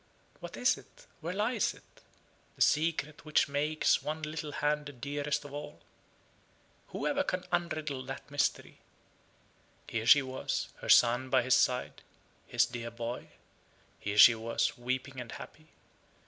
What is it? Where lies it? the secret which makes one little hand the dearest of all? Whoever can unriddle that mystery? Here she was, her son by his side, his dear boy. Here she was, weeping and happy.